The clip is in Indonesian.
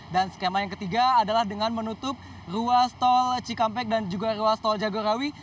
dan skema yang ketiga adalah dengan menutup ruas tol cikampek dan juga ruas tol jagorawi